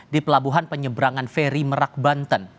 di pelabuhan penyeberangan feri merak banten